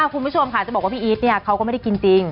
คุณผู้ชมค่ะจะบอกว่าพี่อีทเขาก็ไม่ได้กินจริง